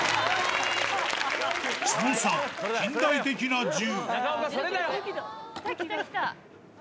その３、近代的な銃。